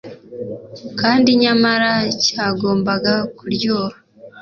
kandi nyamara cyagombaga kuryoha.